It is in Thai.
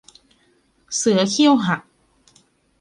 เสือเขี้ยวหัก